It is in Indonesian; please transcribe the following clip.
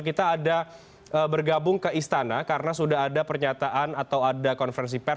kita ada bergabung ke istana karena sudah ada pernyataan atau ada konferensi pers